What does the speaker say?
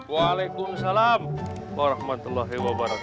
waalaikumsalam warahmatullahi wabarakatuh